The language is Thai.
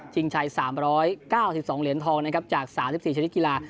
ชัย๓๙๒เหรียญทองนะครับจาก๓๔ชนิดกีฬา